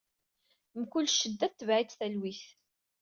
Mkul ccedda tetbeɛ-itt talwit.